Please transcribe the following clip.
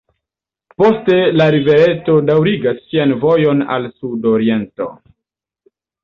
Poste la rivereto daŭrigas sian vojon al sudoriento.